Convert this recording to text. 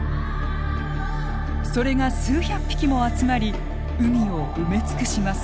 それが数百匹も集まり海を埋め尽くします。